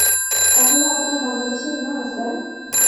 তাহলে আপনারা বাংলাদেশের না, স্যার?